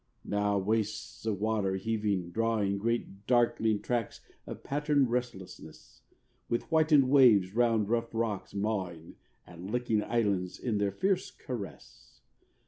Now wastes of water heaving, drawing, Great darkling tracts of patterned restlessness, With whitened waves round rough rocks mawing And licking islands in their fierce caress.